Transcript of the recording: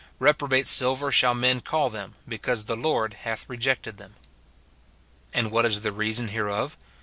Reprobate silver shall men call them, be cause the Lord hath rejected them." And what is the reason hereof